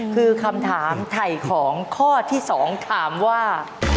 คือคำถามไถ่ของข้อที่๒ถามว่า